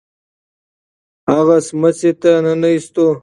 هغه سمڅې ته ننه ایستو.